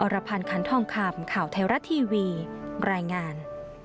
รพันธ์คันทองคำข่าวไทยรัฐทีวีรายงาน